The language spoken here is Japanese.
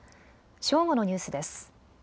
正午のニュースです。